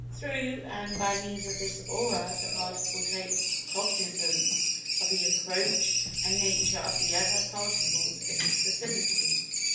Through, and by[Pg 191] means of this Aura the Particle takes cognizance of the approach and nature of the other Particles in its vicinity.